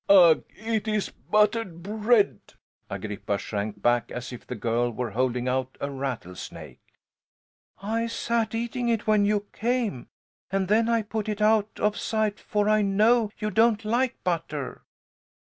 "Ugh! It's buttered bread!" Agrippa shrank back as if the girl were holding out a rattlesnake. "I sat eating it when you came, and then I put it out of sight for, I know you don't like butter."